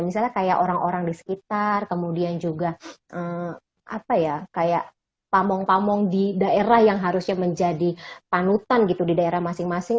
misalnya kayak orang orang di sekitar kemudian juga apa ya kayak pamong pamong di daerah yang harusnya menjadi panutan gitu di daerah masing masing